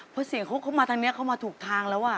เพราะเสียงเขาเข้ามาทางนี้เข้ามาถูกทางแล้ว